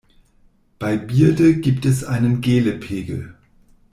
Bei Bierde gibt es einen Gehle-Pegel.